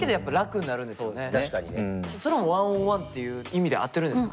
それも１ｏｎ１っていう意味で合ってるんですか。